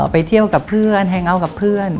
ไปเที่ยวกับเพื่อนแฮงเอาท์กับเพื่อน